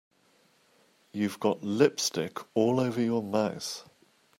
You've got lipstick all over your mouth.